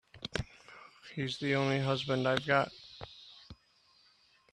He's the only husband I've got.